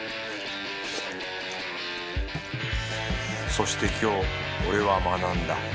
そして今日俺は学んだ。